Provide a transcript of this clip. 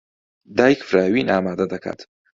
دایک فراوین ئامادە دەکات.